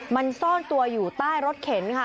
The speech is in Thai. มันซ่อนตัวอยู่ใต้รถเข็นค่ะ